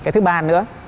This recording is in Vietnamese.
cái thứ ba nữa